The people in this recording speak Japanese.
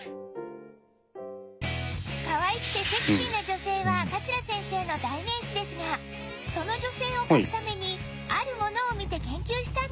かわいくてセクシーな女性は桂先生の代名詞ですがその女性を描くためにあるものを見て研究したんだとか